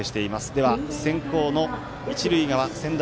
では、先攻の一塁側専大